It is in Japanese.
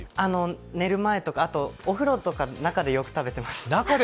寝る前とか、お風呂の中でよく食べてます。